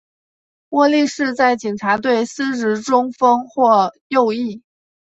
窝利士在警察队司职中锋或右翼。